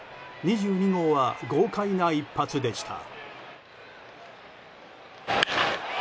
２２号は豪快な一発でした。